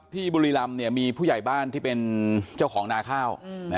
บุรีรำมีผู้ใหญ่บ้านที่เป็นเจ้าของนาข้าว